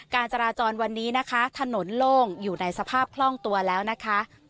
การจราจรวันนี้นะคะถนนโล่งอยู่ในสภาพคล่องตัวแล้วนะคะ